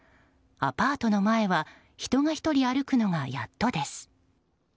アパートの前は人が１人歩くのがやっとです。